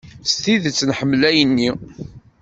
S tidet nḥemmel ayen-nni.